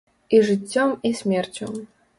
І жыццём, і смерцю.